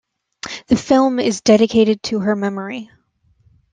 The film is dedicated to her memory.